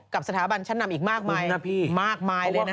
กับสถาบันชั้นนำอีกมากมายมากมายเลยนะฮะ